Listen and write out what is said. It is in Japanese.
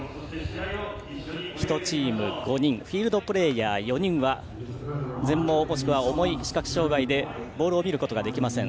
１チーム５人フィールドプレーヤー４人は全盲、もしくは重い視覚障がいでボールを見ることができません。